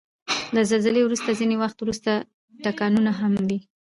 له زلزلې وروسته ځینې وخت وروستی ټکانونه هم وي.